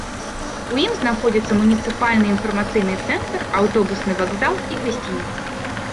У ім знаходзяцца муніцыпальны інфармацыйны цэнтр, аўтобусны вакзал і гасцініцы.